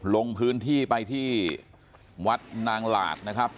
ลงพื้นที่ไปที่วัดนางหลาดนะครับ